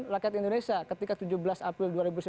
rakyat indonesia ketika tujuh belas april